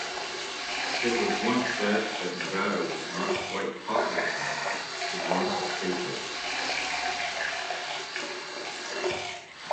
It was once said that Nevada was not quite populous enough to warrant statehood.